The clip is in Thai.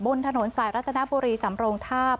บนถนนแสนรัฐนาบุรีสำโรงธาบ